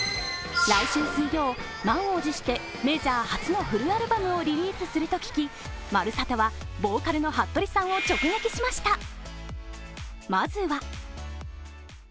来週水曜、満を持してメジャー初のフルアルバムをリリースすると聞き、「まるサタ」はボーカルのはっとりさんを直撃しました。